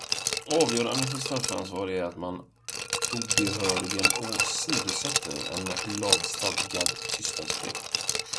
Avgörande för straffansvar är att man obehörigen åsidosätter en lagstadgad tystnadsplikt.